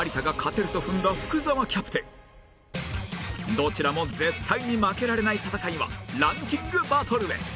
どちらも絶対に負けられない戦いはランキングバトルへ